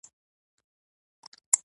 او خبرې مې رنځورې